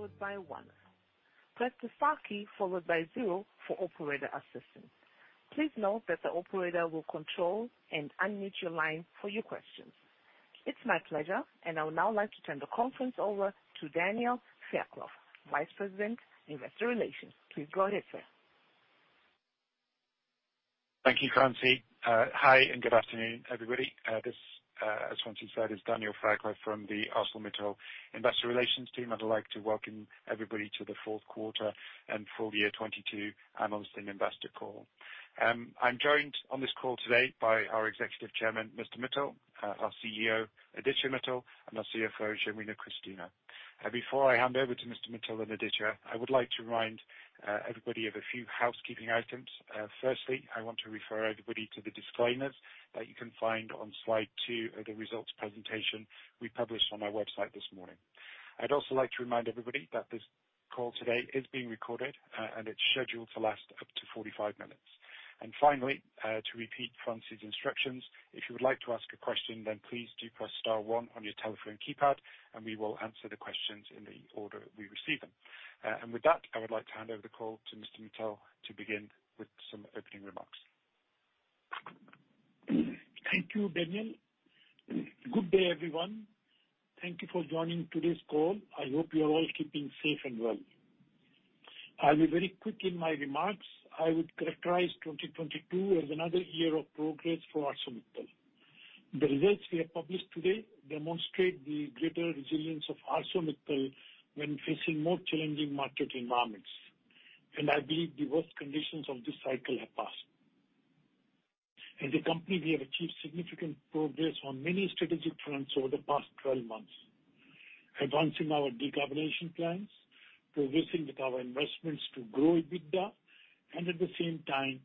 Followed by one. Press the star key followed by zero for operator assistance. Please note that the operator will control and unmute your line for your questions. It's my pleasure. I would now like to turn the conference over to Daniel Fairclough, Vice President, Investor Relations. Please go ahead, sir. Thank you, Francine. Hi and good afternoon, everybody. This, as Francine said, is Daniel Fairclough from the ArcelorMittal Investor Relations team. I'd like to welcome everybody to the fourth quarter and full year 2022 analyst and investor call. I'm joined on this call today by our Executive Chairman, Mr. Mittal, our CEO, Aditya Mittal, and our CFO, Genuino Christino. Before I hand over to Mr. Mittal and Aditya, I would like to remind everybody of a few housekeeping items. Firstly, I want to refer everybody to the disclaimers that you can find on slide two of the results presentation we published on our website this morning. I'd also like to remind everybody that this call today is being recorded, and it's scheduled to last up to 45 minutes. Finally, to repeat Francine's instructions, if you would like to ask a question, then please do press star one on your telephone keypad, and we will answer the questions in the order we receive them. With that, I would like to hand over the call to Mr. Mittal to begin with some opening remarks. Thank you, Daniel. Good day, everyone. Thank you for joining today's call. I hope you are all keeping safe and well. I'll be very quick in my remarks. I would characterize 2022 as another year of progress for ArcelorMittal. The results we have published today demonstrate the greater resilience of ArcelorMittal when facing more challenging market environments. I believe the worst conditions of this cycle have passed. As a company, we have achieved significant progress on many strategic fronts over the past 12 months, advancing our decarbonization plans, progressing with our investments to grow EBITDA, and at the same time,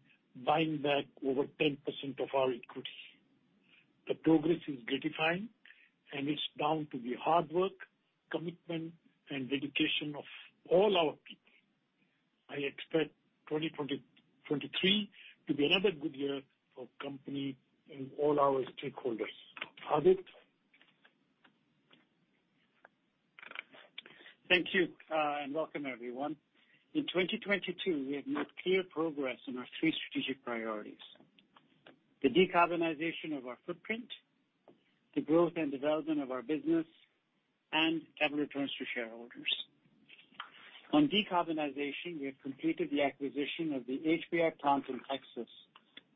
buying back over 10% of our equity. The progress is gratifying, and it's down to the hard work, commitment, and dedication of all our people. I expect 2023 to be another good year for company and all our stakeholders. Aditya? Thank you, welcome everyone. In 2022, we have made clear progress on our three strategic priorities: the decarbonization of our footprint, the growth and development of our business, and capital returns to shareholders. On decarbonization, we have completed the acquisition of the HBI plant in Texas,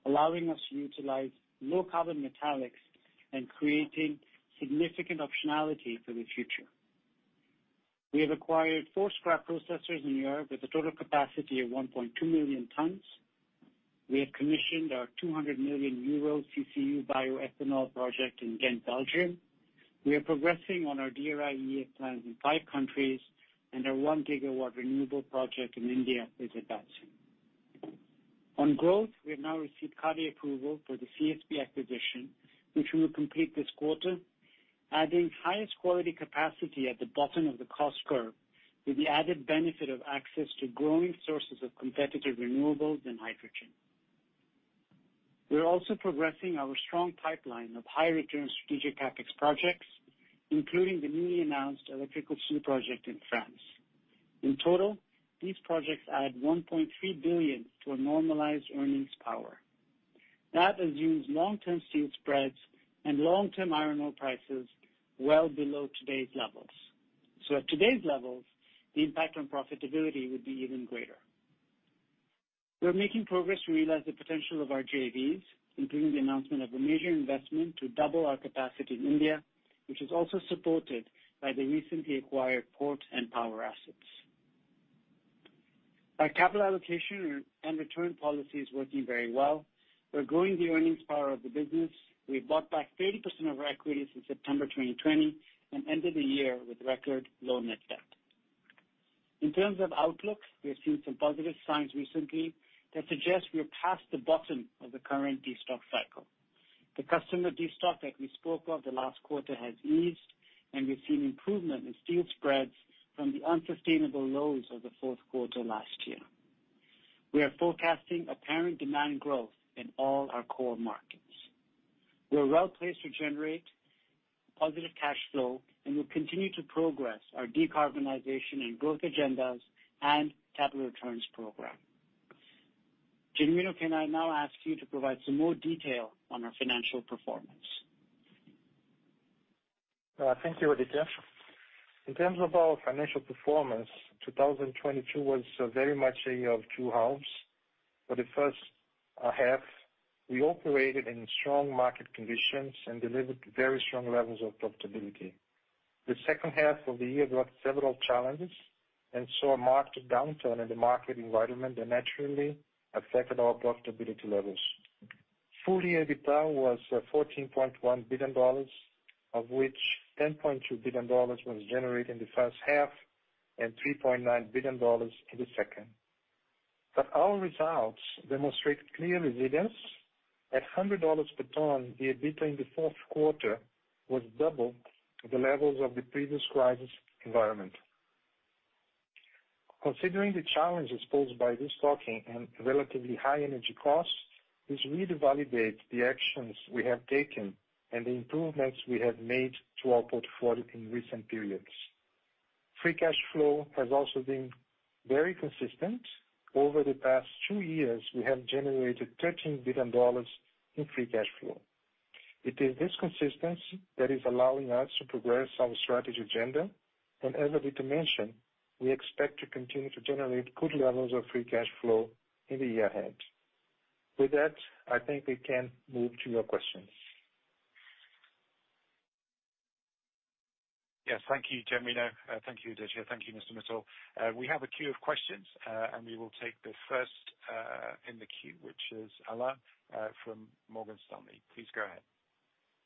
allowing us to utilize low carbon metallics and creating significant optionality for the future. We have acquired four scrap processors in Europe with a total capacity of 1.2 million tons. We have commissioned our 200 million euro CCU bioethanol project in Ghent, Belgium. We are progressing on our DRI-EAF plans in five countries, and our 1 GW renewable project in India is advancing. On growth, we have now received CADE approval for the CSP acquisition, which we will complete this quarter, adding highest quality capacity at the bottom of the cost curve with the added benefit of access to growing sources of competitive renewables and hydrogen. We are also progressing our strong pipeline of high return strategic capex projects, including the newly announced electrical steel project in France. In total, these projects add $1.3 billion to a normalized earnings power. That has used long-term steel spreads and long-term iron ore prices well below today's levels. At today's levels, the impact on profitability would be even greater. We're making progress to realize the potential of our JVs, including the announcement of a major investment to double our capacity in India, which is also supported by the recently acquired port and power assets. Our capital allocation and return policy is working very well. We're growing the earnings power of the business. We've bought back 30% of our equity since September 2020 and ended the year with record low net debt. In terms of outlooks, we have seen some positive signs recently that suggest we are past the bottom of the current destock cycle. The customer destock that we spoke of the last quarter has eased, and we've seen improvement in steel spreads from the unsustainable lows of the fourth quarter last year. We are forecasting apparent demand growth in all our core markets. We're well-placed to generate positive cash flow, and we'll continue to progress our decarbonization and growth agendas and capital returns program. Genuino, can I now ask you to provide some more detail on our financial performance? Thank you, Aditya. In terms of our financial performance, 2020 was very much a year of two halves. For the first half, we operated in strong market conditions and delivered very strong levels of profitability. The second half of the year brought several challenges and saw a marked downturn in the market environment that naturally affected our profitability levels. Full-year EBITDA was $14.1 billion, of which $10.2 billion was generated in the first half and $3.9 billion in the second. Our results demonstrate clear resilience. At $100 per ton, the EBITDA in the fourth quarter was double the levels of the previous crisis environment. Considering the challenges posed by restocking and relatively high energy costs, this really validates the actions we have taken and the improvements we have made to our portfolio in recent periods. Free cash flow has also been very consistent. Over the past two years, we have generated $13 billion in free cash flow. It is this consistency that is allowing us to progress our strategy agenda. As Aditya Mittal mentioned, we expect to continue to generate good levels of free cash flow in the year ahead. With that, I think we can move to your questions. Yes. Thank you, Genuino. Thank you, Aditya. Thank you, Mr. Mittal. We have a queue of questions, and we will take the first in the queue, which is Alain, from Morgan Stanley. Please go ahead.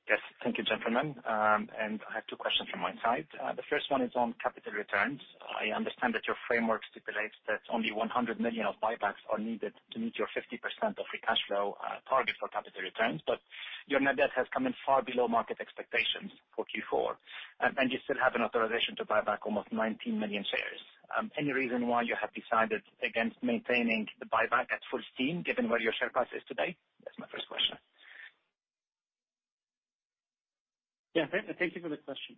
Yes. Thank you, gentlemen. I have two questions from my side. The first one is on capital returns. I understand that your framework stipulates that only $100 million of buybacks are needed to meet your 50% of free cash flow, target for capital returns, but your net debt has come in far below market expectations for Q4, and you still have an authorization to buy back almost 19 million shares. Any reason why you have decided against maintaining the buyback at full steam given where your share price is today? That's my first question. Thank you for the question.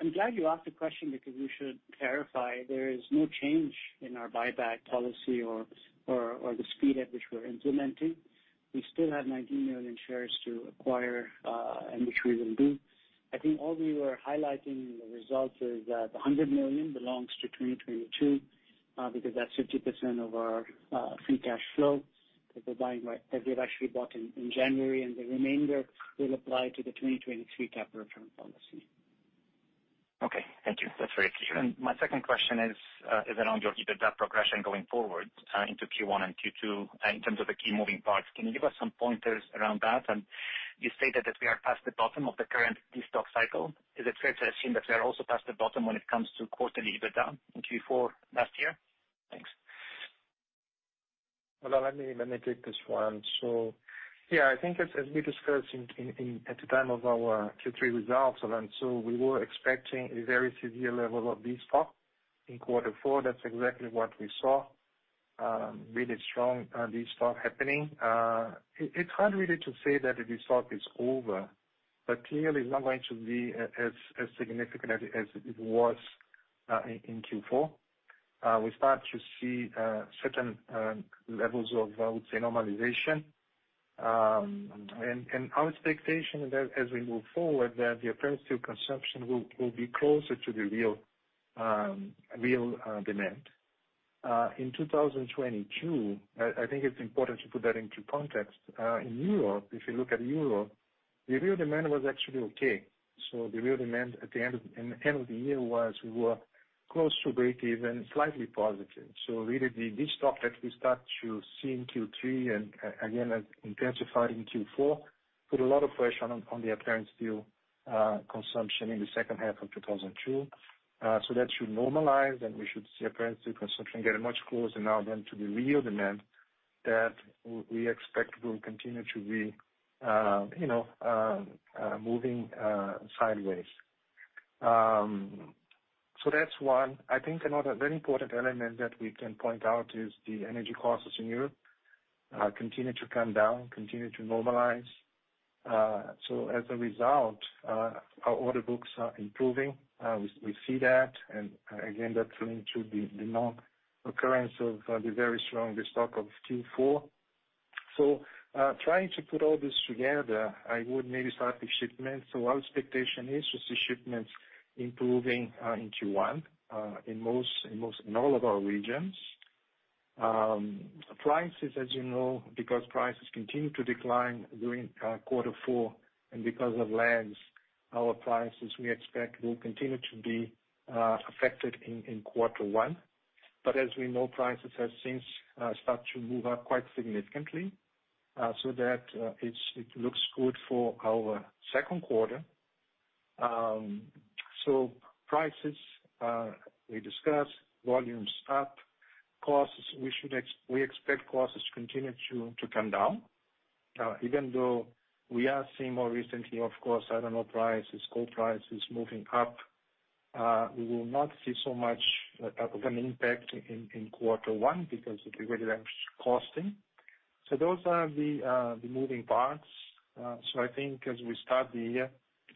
I'm glad you asked the question because we should clarify there is no change in our buyback policy or the speed at which we're implementing. We still have 19 million shares to acquire, and which we will do. I think all we were highlighting in the results is that the $100 million belongs to 2022, because that's 50% of our free cash flow that we've actually bought in January, and the remainder will apply to the 2023 capital return policy. Okay. Thank you. That's very clear. My second question is around your EBITDA progression going forward, into Q1 and Q2 in terms of the key moving parts. Can you give us some pointers around that? You stated that we are past the bottom of the current destock cycle. Is it fair to assume that we are also past the bottom when it comes to quarterly EBITDA in Q4 last year? Thanks. Well, let me take this one. Yeah, I think as we discussed at the time of our Q3 results, Alain, we were expecting a very severe level of destock in Q4. That's exactly what we saw. Really strong destock happening. It's hard really to say that the destock is over, but clearly it's not going to be as significant as it was in Q4. We start to see certain levels of, I would say, normalization. And our expectation that as we move forward, that the appearance to consumption will be closer to the real real demand. In 2022, I think it's important to put that into context. In Europe, if you look at Europe, the real demand was actually okay. The real demand in the end of the year was we were close to breakeven, slightly positive. Really the destock that we start to see in Q3 and again, intensified in Q4, put a lot of pressure on the appearance steel consumption in the second half of 2002. That should normalize, and we should see appearance steel consumption get much closer now than to the real demand that we expect will continue to be, you know, moving sideways. That's one. I think another very important element that we can point out is the energy costs in Europe continue to come down, continue to normalize. As a result, our order books are improving. We see that. Again, that's going to be the non-occurrence of the very strong destock of Q4. Trying to put all this together, I would maybe start with shipments. Our expectation is to see shipments improving in Q1 in all of our regions. Prices, as you know, because prices continued to decline during quarter four and because of lags, our prices, we expect, will continue to be affected in quarter one. As we know, prices have since started to move up quite significantly, so that it looks good for our second quarter. Prices, we discussed. Volumes up. Costs, we expect costs to continue to come down. Even though we are seeing more recently, of course, iron ore prices, coal prices moving up, we will not see so much of an impact in quarter one because of the very lag costing. Those are the moving parts. I think as we start the year,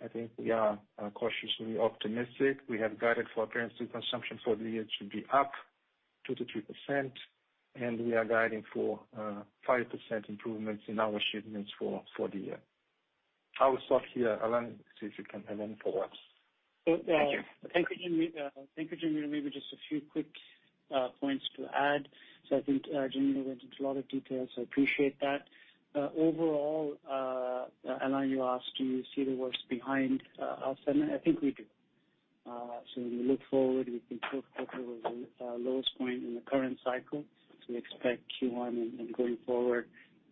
I think we are cautiously optimistic. We have guided for appearance to consumption for the year to be up 2%-3%, and we are guiding for 5% improvements in our shipments for the year. I will stop here, Alain, see if you can add any thoughts. Thank you. Thank you, Genuino. Maybe just a few quick points to add. I think, Genuino went into a lot of details, I appreciate that. Overall, Alain, you asked, do you see the worst behind us? I think we do. When we look forward, we think coal is at the lowest point in the current cycle. We expect Q1 and going forward,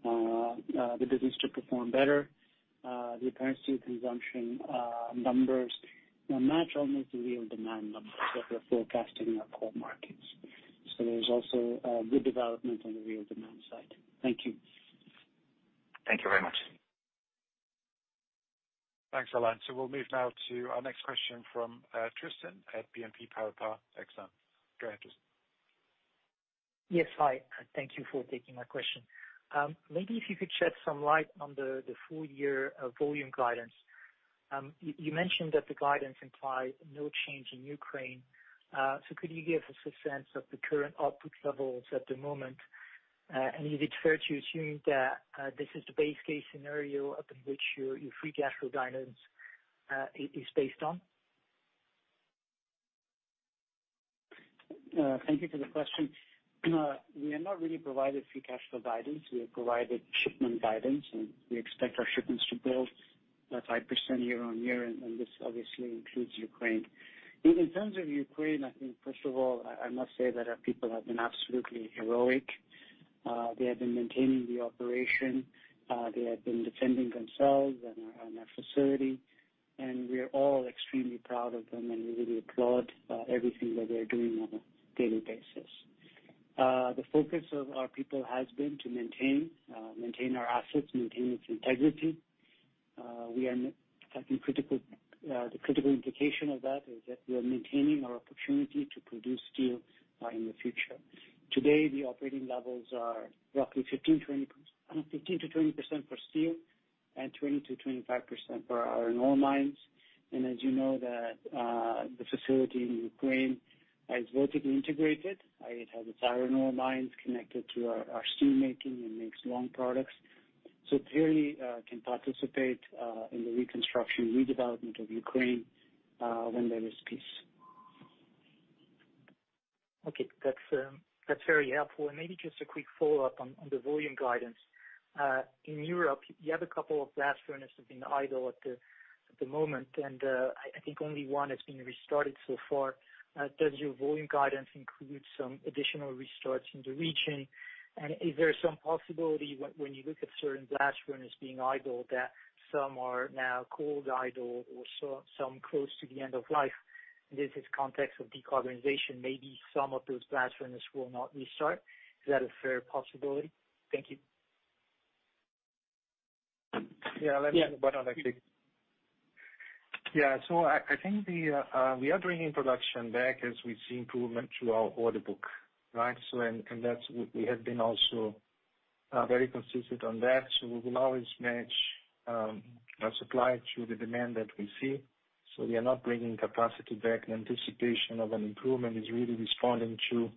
the business to perform better. The appearance to consumption numbers now match almost the real demand numbers that we're forecasting in our core markets. There's also, good development on the real demand side. Thank you. Thank you very much. Thanks, Alan. We'll move now to our next question from, Tristan at BNP Paribas Exane. Go ahead, Tristan. Yes, hi. Thank you for taking my question. Maybe if you could shed some light on the full year volume guidance. You mentioned that the guidance implies no change in Ukraine. Could you give us a sense of the current output levels at the moment? Is it fair to assume that this is the base case scenario upon which your free cash flow guidance is based on? Thank you for the question. We have not really provided free cash flow guidance. We have provided shipment guidance, and we expect our shipments to build at 5% year-on-year, and this obviously includes Ukraine. In terms of Ukraine, I think first of all, I must say that our people have been absolutely heroic. They have been maintaining the operation, they have been defending themselves and our facility, and we're all extremely proud of them and we really applaud everything that they're doing on a daily basis. The focus of our people has been to maintain our assets, maintain its integrity. We are I think critical, the critical implication of that is that we are maintaining our opportunity to produce steel in the future. Today, the operating levels are roughly 15, 20... 15%-20% for steel and 20%-25% for our ore mines. As you know that, the facility in Ukraine is vertically integrated. It has its iron ore mines connected to our steelmaking and makes long products. Clearly, can participate in the reconstruction, redevelopment of Ukraine, when there is peace. Okay. That's, that's very helpful. Maybe just a quick follow-up on the volume guidance. In Europe, you have a couple of blast furnaces have been idle at the moment, and I think only one has been restarted so far. Does your volume guidance include some additional restarts in the region? Is there some possibility when you look at certain blast furnaces being idle that some are now cold idle or some close to the end of life? This is context of decarbonization. Maybe some of those blast furnaces will not restart. Is that a fair possibility? Thank you. Yeah. Let me hop on actually. Yeah. I think the we are bringing production back as we see improvement to our order book, right? That's we have been also very consistent on that. We will always match our supply to the demand that we see. We are not bringing capacity back in anticipation of an improvement. It's really responding to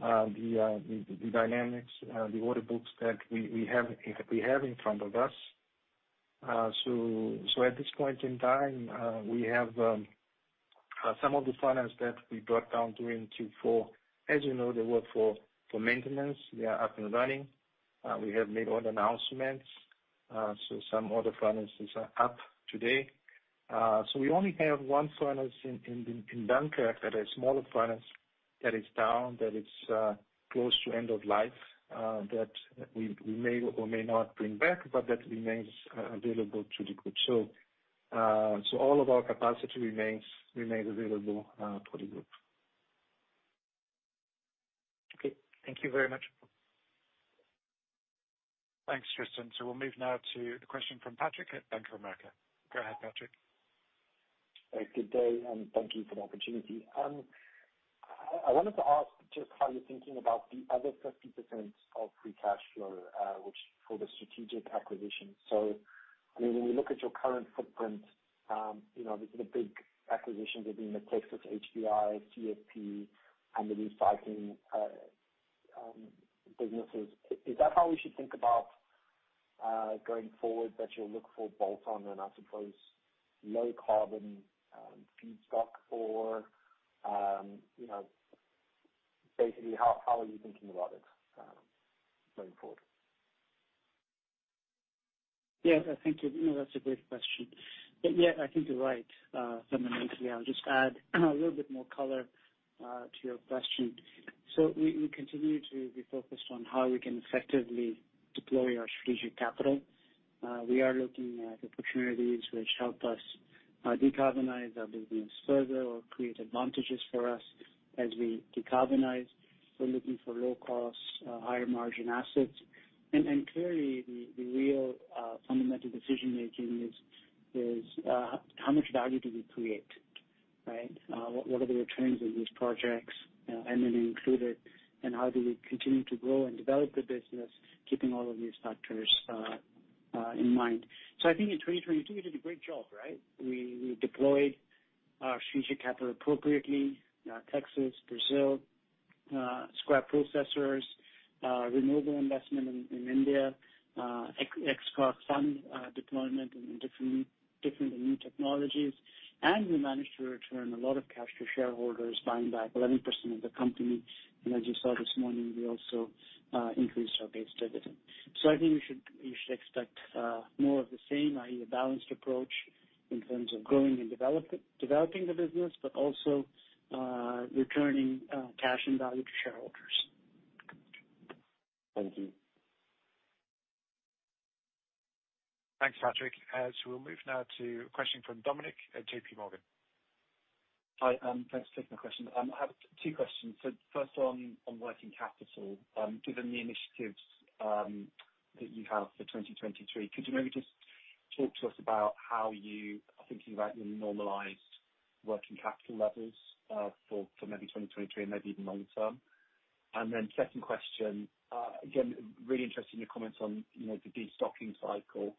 the dynamics, the order books that we have in front of us. At this point in time, we have some of the furnace that we brought down during Q4. As you know, they were for maintenance. They are up and running. We have made all the announcements. Some order furnaces are up today. We only have one furnace in Dunkirk that is smaller furnace that is down, that is close to end of life, that we may or may not bring back, but that remains available to the group. All of our capacity remains available to the group. Okay. Thank you very much. Thanks, Tristan. We'll move now to the question from Patrick at Bank of America. Go ahead, Patrick. Good day, and thank you for the opportunity. I wanted to ask just how you're thinking about the other 50% of free cash flow, which for the strategic acquisition. I mean, when we look at your current footprint, you know, the big acquisitions have been the Texas HBI, CSP, and the recycling businesses. Is that how we should think about going forward, that you'll look for bolt-on and I suppose low carbon feedstock? You know, basically how are you thinking about it going forward? Yes. Thank you. You know, that's a great question. Yeah, I think you're right, fundamentally. I'll just add a little bit more color to your question. We continue to be focused on how we can effectively deploy our strategic capital. We are looking at opportunities which help us decarbonize our business further or create advantages for us as we decarbonize. We're looking for low cost, higher margin assets. Clearly the real fundamental decision making is how much value do we create, right? What are the returns of these projects, and then included, and how do we continue to grow and develop the business keeping all of these factors in mind. I think in 2022 we did a great job, right? We deployed our strategic capital appropriately. Texas, Brazil, scrap processors, renewable investment in India, XCarb Innovation Fund deployment in different and new technologies. We managed to return a lot of cash to shareholders buying back 11% of the company. As you saw this morning, we also increased our base dividend. I think you should expect more of the same, i.e. a balanced approach in terms of growing and developing the business, but also returning cash and value to shareholders. Thank you. Thanks, Patrick, as we'll move now to a question from Dominic at JP Morgan. Hi, thanks for taking the question. I have two questions. First on working capital, given the initiatives that you have for 2023, could you maybe just talk to us about how you are thinking about your normalized working capital levels for maybe 2023 and maybe even long-term? Second question, again, really interested in your comments on, you know, the destocking cycle.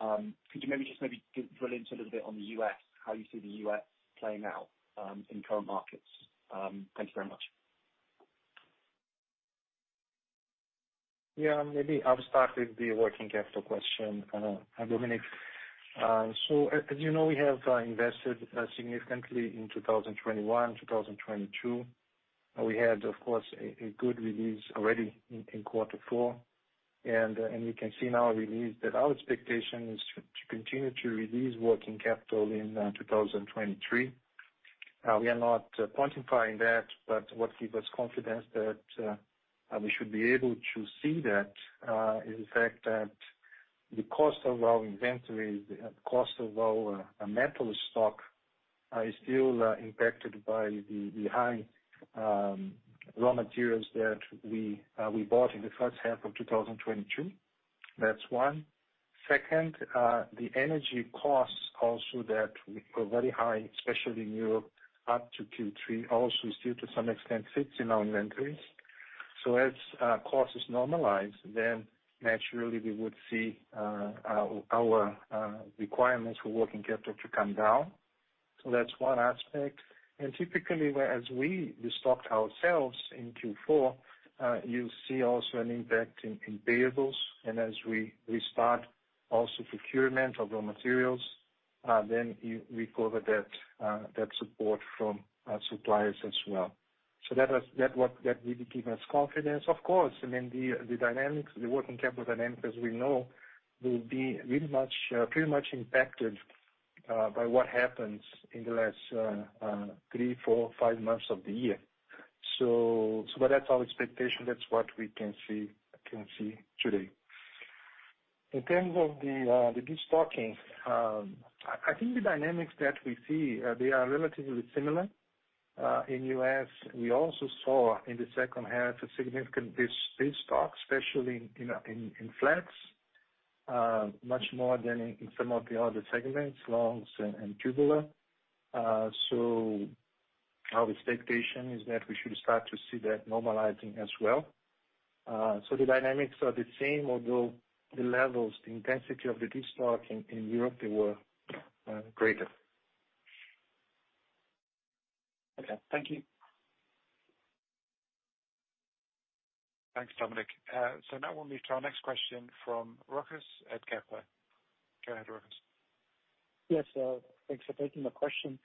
Could you maybe just drill into a little bit on the U.S., how you see the U.S. playing out in current markets? Thank you very much. Yeah, maybe I'll start with the working capital question, Dominic. As you know, we have invested significantly in 2021, 2022. We had, of course, a good release already in quarter four. You can see now release that our expectation is to continue to release working capital in 2023. We are not quantifying that, what give us confidence that we should be able to see that is the fact that the cost of our inventory, the cost of our metal stock is still impacted by the high raw materials that we bought in the first half of 2022. That's one. Second, the energy costs also that were very high, especially in Europe, up to Q3, also is due to some extent sits in our inventories. As costs normalize, then naturally we would see our requirements for working capital to come down. That's one aspect. Typically, where as we restocked ourselves in Q4, you see also an impact in payables. As we restart also procurement of raw materials, then you recover that support from suppliers as well. That really give us confidence. Of course, I mean, the dynamics, the working capital dynamics, as we know, will be really much pretty much impacted by what happens in the last three, four, five months of the year. That's our expectation. That's what we can see today. In terms of the destocking, I think the dynamics that we see, they are relatively similar. In the U.S., we also saw in the second half a significant destock, especially in flats, much more than in some of the other segments, longs and tubular. Our expectation is that we should start to see that normalizing as well. The dynamics are the same, although the levels, the intensity of the destocking in Europe, they were greater. Okay, thank you. Thanks, Dominic. Now we'll move to our next question from Rochus at Kepler. Go ahead, Rochus. Thanks for taking the question.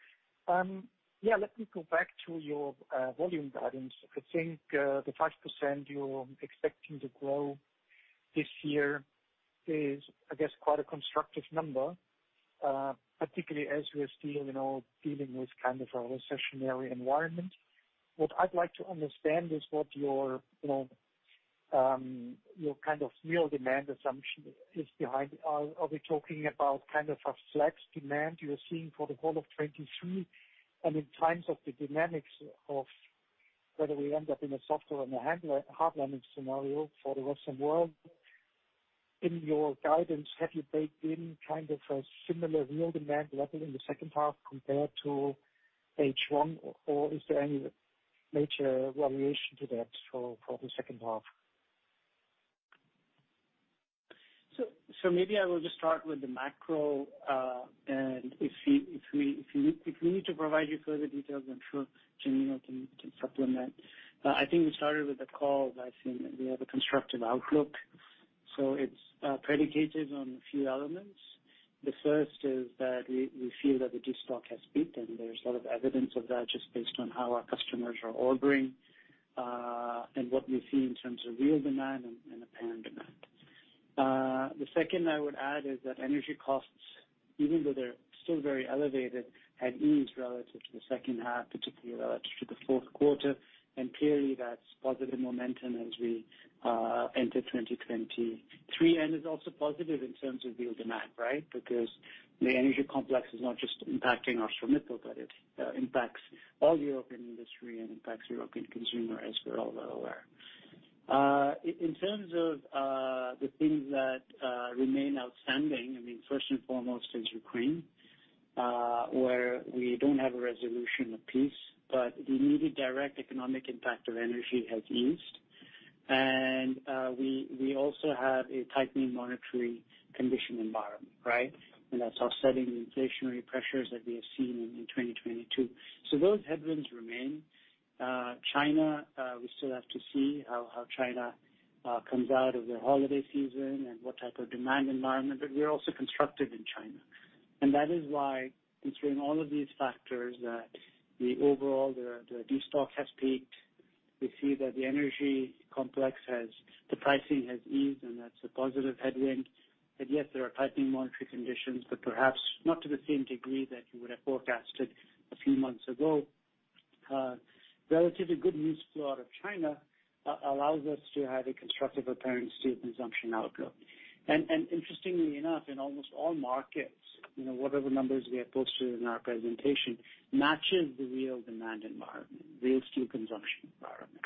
Yeah, let me go back to your volume guidance. I think the 5% you're expecting to grow this year is, I guess, quite a constructive number, particularly as you are still, you know, dealing with kind of a recessionary environment. What I'd like to understand is what your, you know, kind of real demand assumption is behind. Are we talking about kind of a flex demand you're seeing for the whole of 23? In times of the dynamics of whether we end up in a softer or in a hard landing scenario for the Western world, in your guidance, have you baked in kind of a similar real demand level in the second half compared to H1? Or is there any major variation to that for the second half? Maybe I will just start with the macro, and if we need to provide you further details, I'm sure Genuino can supplement. I think we started with the call by saying that we have a constructive outlook. It's predicated on a few elements. The first is that we feel that the destock has peaked, and there's a lot of evidence of that just based on how our customers are ordering, and what we see in terms of real demand and apparent demand. The second I would add is that energy costs, even though they're still very elevated, have eased relative to the second half, particularly relative to the fourth quarter. Clearly that's positive momentum as we enter 2023, and is also positive in terms of real demand, right? The energy complex is not just impacting ArcelorMittal, but it impacts all European industry and impacts European consumer, as we're all well aware. In terms of the things that remain outstanding, I mean, first and foremost is Ukraine, where we don't have a resolution of peace, but the immediate direct economic impact of energy has eased. We also have a tightening monetary condition environment, right? That's offsetting the inflationary pressures that we have seen in 2022. Those headwinds remain. China, we still have to see how China comes out of their holiday season and what type of demand environment. We're also constructive in China. That is why considering all of these factors that the overall the destock has peaked. We see that the energy complex the pricing has eased, and that's a positive headwind. Yes, there are tightening monetary conditions, but perhaps not to the same degree that you would have forecasted a few months ago. Relatively good news flow out of China, allows us to have a constructive apparent steel consumption outcome. Interestingly enough, in almost all markets, you know, whatever numbers we have posted in our presentation matches the real demand environment, real steel consumption environment.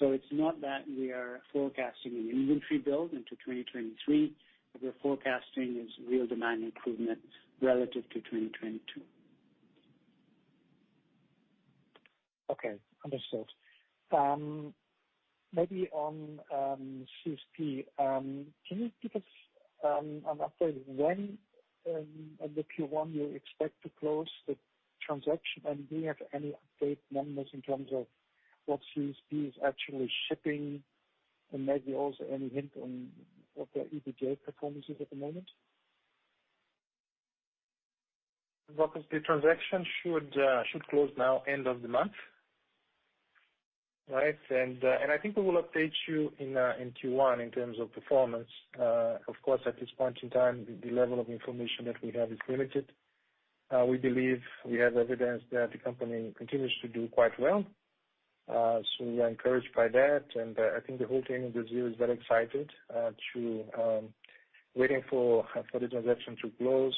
It's not that we are forecasting an inventory build into 2023. What we're forecasting is real demand improvement relative to 2022. Okay. Understood. maybe on CSP, can you give us an update when in the Q1 you expect to close the transaction? Do you have any update numbers in terms of what CSP is actually shipping? Maybe also any hint on what their EBITDA performance is at the moment? Rochus, the transaction should close now end of the month, right? I think we will update you in Q1 in terms of performance. Of course, at this point in time, the level of information that we have is limited. We believe we have evidence that the company continues to do quite well. We are encouraged by that. I think the whole team in Brazil is very excited to waiting for the transaction to close.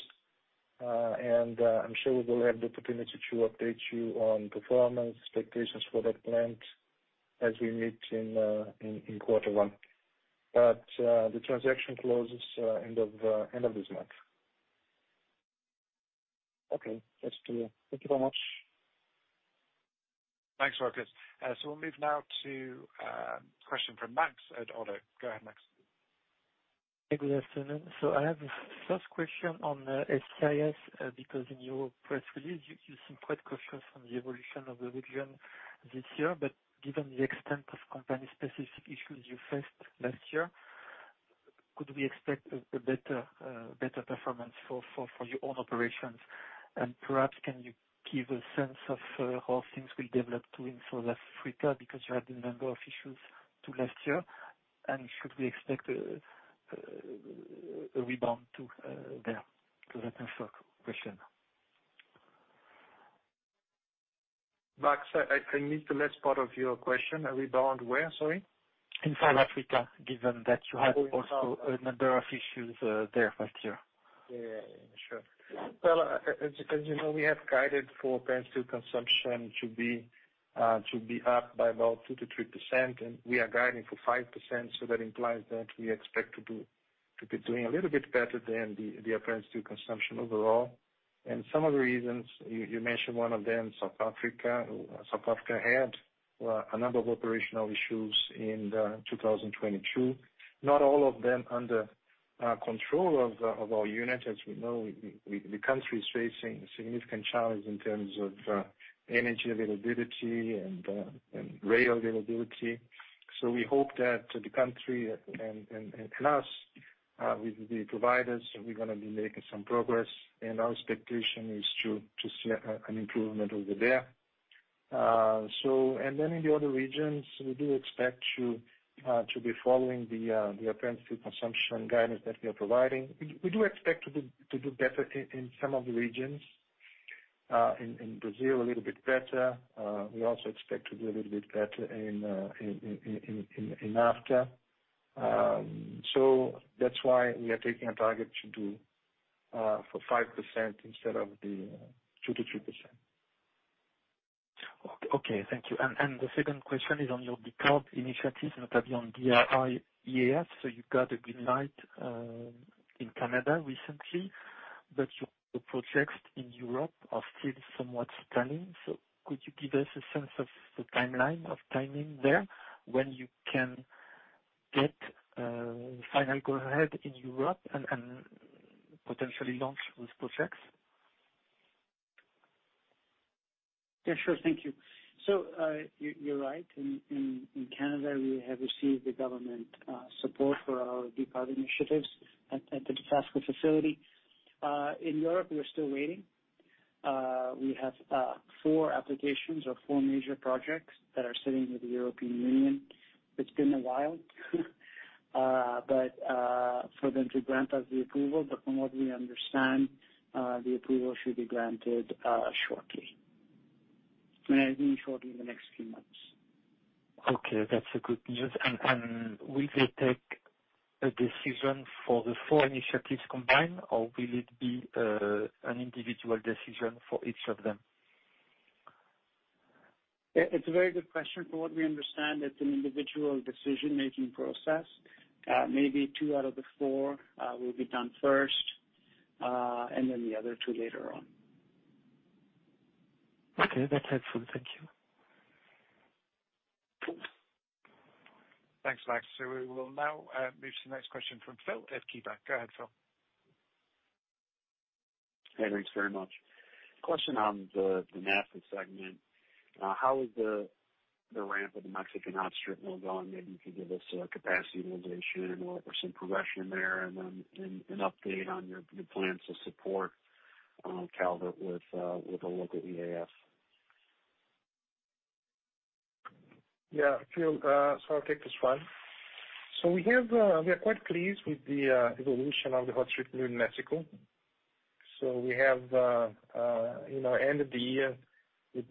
I'm sure we will have the opportunity to update you on performance expectations for that plant as we meet in quarter one. The transaction closes end of end of this month. Okay. That's clear. Thank you very much. Thanks, Rochus. We'll move now to question from Max at Oddo. Go ahead, Max. Hey, good afternoon. I have a first question on ACIS, because in your press release, you seem quite cautious on the evolution of the region this year. Given the extent of company specific issues you faced last year, could we expect a better performance for your own operations? Perhaps, can you give a sense of how things will develop too in South Africa, because you had a number of issues too last year? Should we expect a rebound too there? That's first question. Max, I missed the last part of your question. A rebound where, sorry? In South Africa, given that you had also a number of issues, there last year. Yeah, sure. Well, as you know, we have guided for apparent steel consumption to be up by about 2%-3%, and we are guiding for 5%. That implies that we expect to be doing a little bit better than the apparent steel consumption overall. Some of the reasons, you mentioned one of them, South Africa. South Africa had a number of operational issues in 2022. Not all of them under control of our unit. As we know, the country is facing significant challenge in terms of energy availability and rail availability. We hope that the country and us with the providers, we're gonna be making some progress. Our expectation is to see an improvement over there. In the other regions, we do expect to be following the apparent steel consumption guidance that we are providing. We do expect to do better in some of the regions. In Brazil, a little bit better. We also expect to do a little bit better in NAFTA. That's why we are taking a target to do for 5% instead of the 2%-3%. Okay. Thank you. The second question is on your decarb initiatives, notably on DRI-EAF. You got a green light in Canada recently, but your projects in Europe are still somewhat stalling. Could you give us a sense of the timeline of timing there, when you can get final go ahead in Europe and potentially launch those projects? Sure. Thank you. You're right. In Canada, we have received the government support for our decarb initiatives at the Dofasco facility. In Europe, we're still waiting. We have four applications or four major projects that are sitting with the European Union. It's been a while for them to grant us the approval. From what we understand, the approval should be granted shortly. I mean shortly, in the next few months. Okay. That's a good news. Will they take a decision for the four initiatives combined, or will it be an individual decision for each of them? It's a very good question. From what we understand, it's an individual decision-making process. Maybe two out of the four will be done first, and then the other two later on. Okay. That's helpful. Thank you. Thanks, Max. We will now move to the next question from Phil at KeyBanc. Go ahead, Phil. Hey, thanks very much. Question on the NAFTA segment. How is the ramp of the Mexican hot strip mill going? Maybe you could give us a capacity utilization or some progression there and an update on your plans to support Calvert with a local EAF. Phil, I'll take this one. We have, we are quite pleased with the evolution of the hot strip mill in Mexico. We have, you know, end of the year with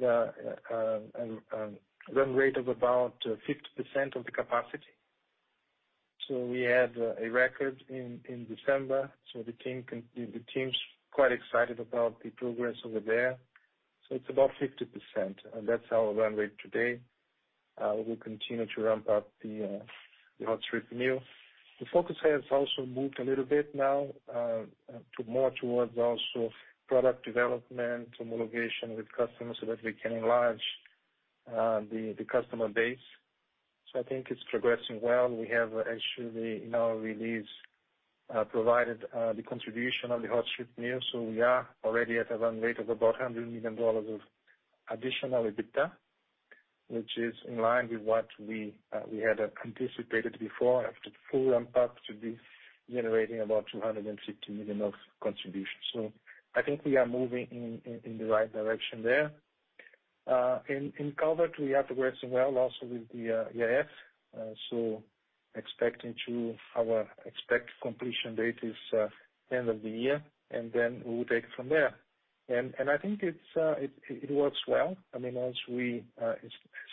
run rate of about 50% of the capacity. We had a record in December, the team's quite excited about the progress over there. It's about 50%, and that's our run rate today. We will continue to ramp up the hot strip mill. The focus has also moved a little bit now, to more towards also product development, homologation with customers so that we can enlarge the customer base. I think it's progressing well. We have actually in our release, provided the contribution of the hot strip mill. We are already at a run rate of about $100 million of additional EBITDA, which is in line with what we had anticipated before. After the full ramp up should be generating about $250 million contribution. I think we are moving in the right direction there. In Calvert, we are progressing well also with the EAF. Our expect completion date is end of the year, we will take it from there. I think it works well. I mean as we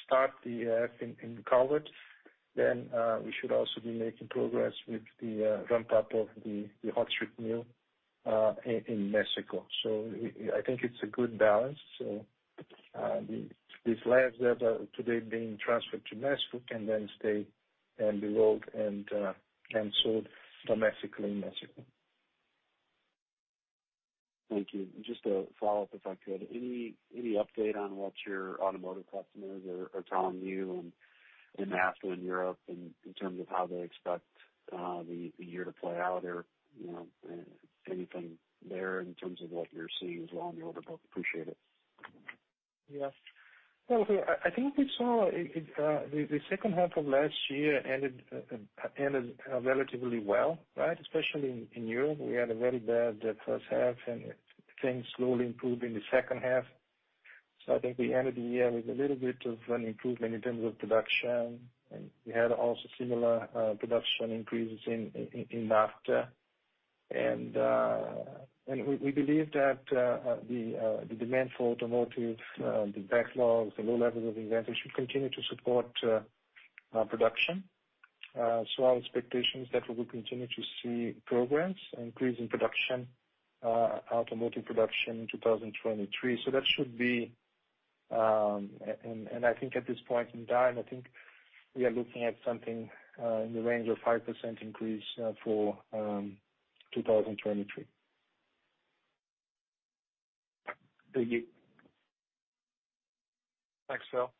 start the in Calvert, we should also be making progress with the ramp up of the hot strip mill in Mexico. I think it's a good balance. These labs that are today being transferred to Mexico can then stay and be rolled and sold domestically in Mexico. Thank you. Just a follow-up if I could. Any update on what your automotive customers are telling you in NAFTA and Europe in terms of how they expect the year to play out, or, you know, anything there in terms of what you're seeing as well on the order book? Appreciate it. Yes. Well, I think we saw it, the second half of last year ended relatively well, right? Especially in Europe. We had a very bad first half and things slowly improved in the second half. I think we ended the year with a little bit of an improvement in terms of production. We had also similar production increases in NAFTA. We believe that the demand for automotive, the backlogs, the low levels of inventory should continue to support production. Our expectation is that we will continue to see progress, increase in production, automotive production in 2023. That should be, and I think at this point in time, I think we are looking at something in the range of 5% increase for 2023. Thank you. Thanks, Phil.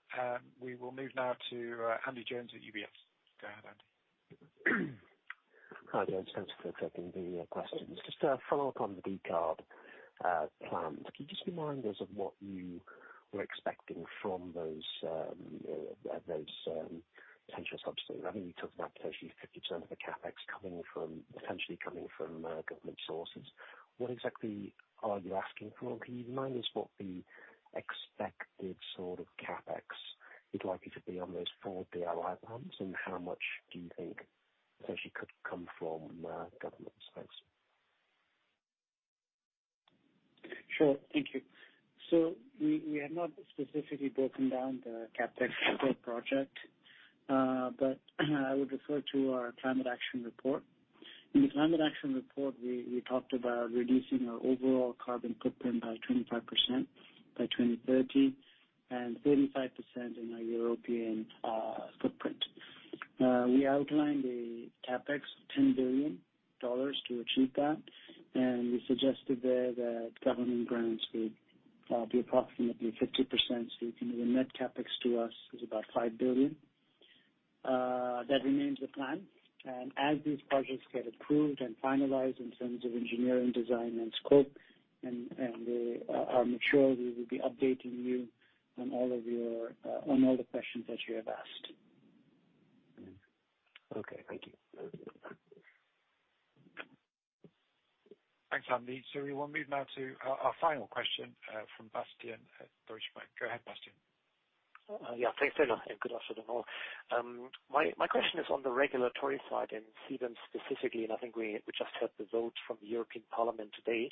We will move now to Andy Jones at UBS. Go ahead, Andy. Hi, guys. Thanks for taking the questions. Just a follow-up on the decarb plans. Can you just remind us of what you were expecting from those potential subsidies? I mean, you talked about potentially 50% of the CapEx potentially coming from government sources. What exactly are you asking for? Can you remind us what the expected sort of CapEx you'd like it to be on those four DRI plans, and how much do you think potentially could come from government space? Sure. Thank you. We have not specifically broken down the CapEx per project. But I would refer to our climate action report. In the climate action report, we talked about reducing our overall carbon footprint by 25% by 2030, and 35% in our European footprint. We outlined a CapEx of $10 billion to achieve that. We suggested there that government grants would be approximately 50%. The net CapEx to us is about $5 billion. That remains the plan. As these projects get approved and finalized in terms of engineering, design, and scope, and we are mature, we will be updating you on all of your on all the questions that you have asked. Okay. Thank you. Thanks, Andy. We will move now to our final question from Bastian at Deutsche Bank. Go ahead, Bastian. Yeah, thanks, Phil. Good afternoon all. My question is on the regulatory side and CBAM specifically, and I think we just had the vote from the European Parliament today.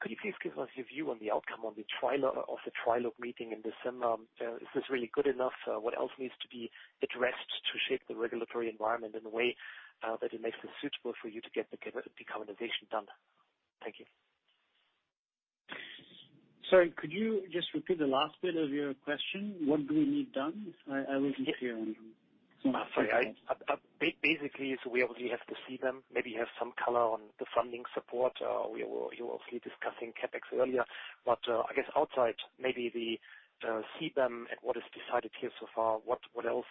Could you please give us your view on the outcome of the trilogue meeting in December? Is this really good enough? What else needs to be addressed to shape the regulatory environment in a way that it makes it suitable for you to get the decarbonization done? Thank you. Sorry, could you just repeat the last bit of your question? What do we need done? I wasn't clear. Sorry. Basically, we obviously have the CBAM, maybe you have some color on the funding support. We were obviously discussing CapEx earlier. I guess outside maybe the CBAM and what is decided here so far, what else,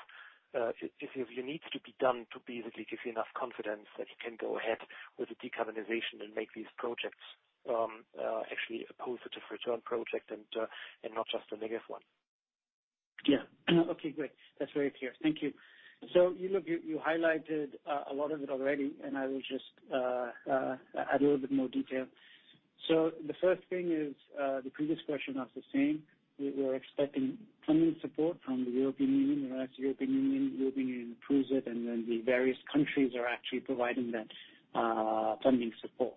if you need to be done to basically give you enough confidence that you can go ahead with the decarbonization and make these projects actually a positive return project and not just a negative one. Yeah. Okay, great. That's very clear. Thank you. You highlighted a lot of it already, I will just add a little bit more detail. The first thing is, the previous question was the same. We're expecting funding support from the European Union. Once the European Union approves it, the various countries are actually providing that funding support.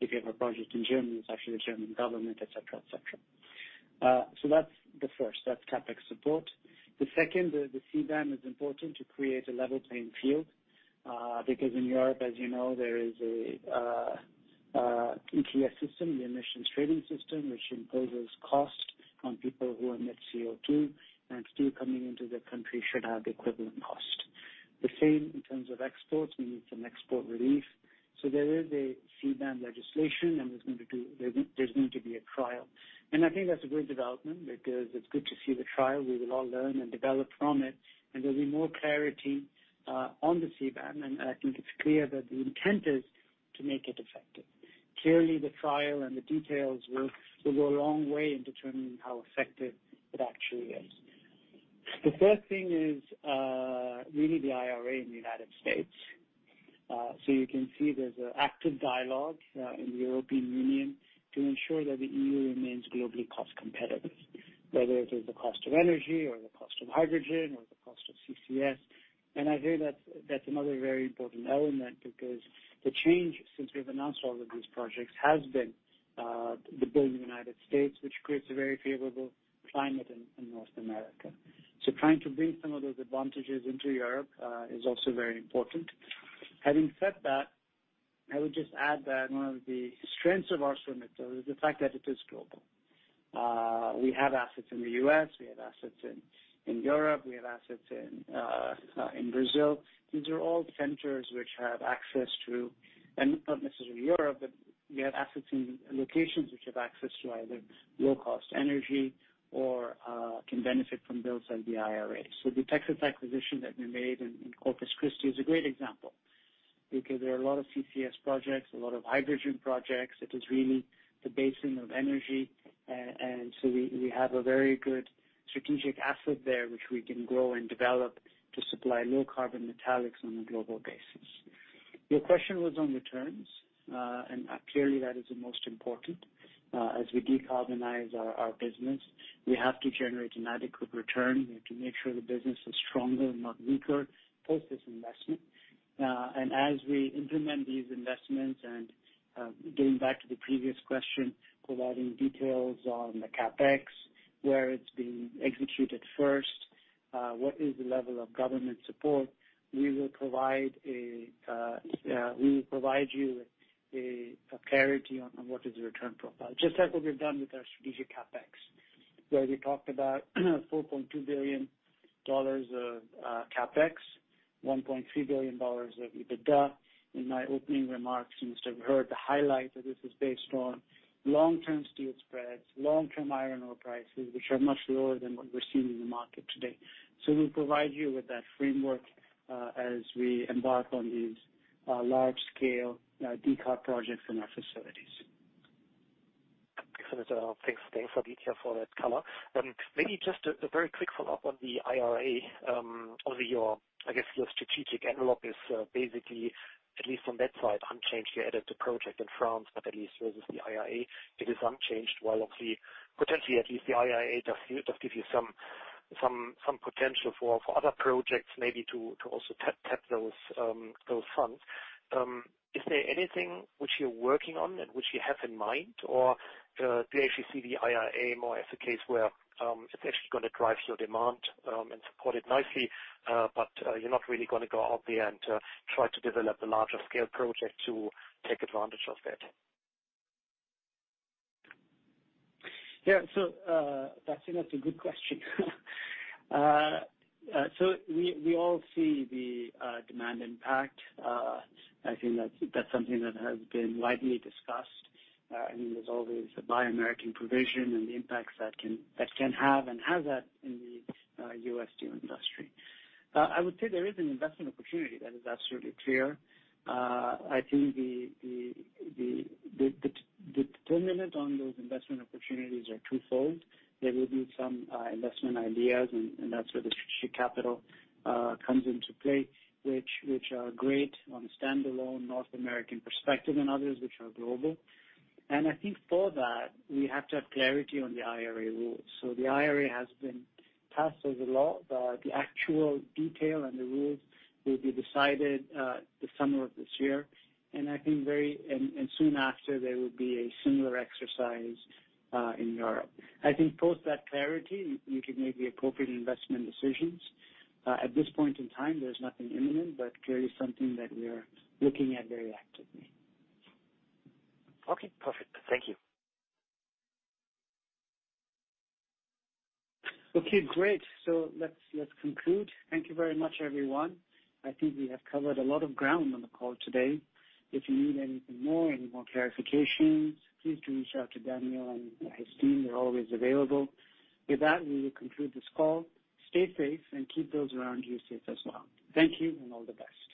If you have a project in Germany, it's actually the German government, et cetera, et cetera. That's the first. That's CapEx support. The second, the CBAM is important to create a level playing field because in Europe, as you know, there is a ETS system, the emissions trading system, which imposes cost on people who emit CO2, steel coming into the country should have equivalent cost. The same in terms of exports. We need some export relief. There is a CBAM legislation, there's going to be a trial. I think that's a great development because it's good to see the trial. We will all learn and develop from it, and there'll be more clarity on the CBAM, and I think it's clear that the intent is to make it effective. Clearly, the trial and the details will go a long way in determining how effective it actually is. The third thing is really the IRA in the United States. You can see there's an active dialogue in the European Union to ensure that the EU remains globally cost competitive, whether it is the cost of energy or the cost of hydrogen or the cost of CCS. I hear that's another very important element because the change since we've announced all of these projects has been the bill in the United States, which creates a very favorable climate in North America. Trying to bring some of those advantages into Europe is also very important. Having said that, I would just add that one of the strengths of ArcelorMittal is the fact that it is global. We have assets in the U.S., we have assets in Europe, we have assets in Brazil. These are all centers which have access to... and not necessarily Europe, but we have assets in locations which have access to either low cost energy or can benefit from bills like the IRA. The Texas acquisition that we made in Corpus Christi is a great example because there are a lot of CCS projects, a lot of hydrogen projects. It is really the basin of energy. We have a very good strategic asset there which we can grow and develop to supply low carbon metallics on a global basis. Your question was on returns. Clearly that is the most important. As we decarbonize our business, we have to generate an adequate return. We have to make sure the business is stronger, not weaker, post this investment. And as we implement these investments and, getting back to the previous question, providing details on the CapEx, where it's being executed first, what is the level of government support, we will provide you a clarity on what is the return profile. Just like what we've done with our strategic CapEx, where we talked about $4.2 billion of CapEx, $1.3 billion of EBITDA. In my opening remarks, you must have heard the highlight that this is based on long-term steel spreads, long-term iron ore prices, which are much lower than what we're seeing in the market today. We'll provide you with that framework as we embark on these large scale decarb projects in our facilities. Excellent. Thanks for the clear follow that color. Maybe just a very quick follow-up on the IRA. On your I guess your strategic envelope is basically, at least from that side, unchanged. You added the project in France, but at least versus the IRA it is unchanged. While obviously potentially at least the IRA does give you some potential for other projects maybe to also tap those funds. Is there anything which you're working on and which you have in mind? Or do you actually see the IRA more as a case where it's actually gonna drive your demand and support it nicely, but you're not really gonna go out there and try to develop a larger scale project to take advantage of it? That's a good question. We all see the demand impact. I think that's something that has been widely discussed. I mean, there's always the Buy American provision and the impacts that can have and has had in the US steel industry. I would say there is an investment opportunity. That is absolutely clear. I think the determinant on those investment opportunities are twofold. There will be some investment ideas, and that's where the strategic capital comes into play, which are great on a standalone North American perspective and others which are global. I think for that we have to have clarity on the IRA rules. The IRA has been passed as a law, but the actual detail and the rules will be decided the summer of this year. I think soon after there will be a similar exercise in Europe. I think post that clarity, you can make the appropriate investment decisions. At this point in time, there's nothing imminent, but clearly something that we are looking at very actively. Okay, perfect. Thank you. Okay, great. Let's conclude. Thank you very much, everyone. I think we have covered a lot of ground on the call today. If you need anything more, any more clarifications, please do reach out to Daniel and his team. They're always available. With that, we will conclude this call. Stay safe and keep those around you safe as well. Thank you, and all the best.